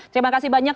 terima kasih banyak